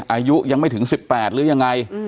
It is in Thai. อายุยังไม่ถึง๑๘หรือยังไง